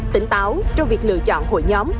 tỉnh táo trong việc lựa chọn hội nhóm